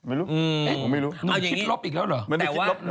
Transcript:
เออไม่รู้